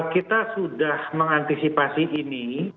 kita sudah mengantisipasi ini